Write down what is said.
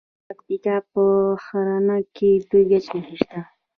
د پکتیکا په ښرنه کې د ګچ نښې شته.